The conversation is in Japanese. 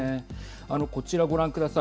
あの、こちら、ご覧ください。